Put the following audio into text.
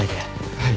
はい。